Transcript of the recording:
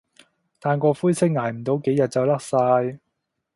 但個灰色捱唔到幾日就甩晒